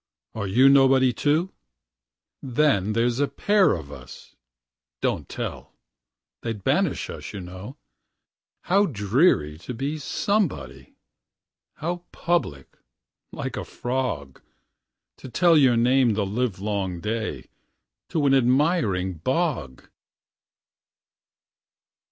Are you nobody, too? Then there 's a pair of us don't tell! They 'd banish us, you know. How dreary to be somebody! How public, like a frog To tell your name the livelong day To an admiring bog!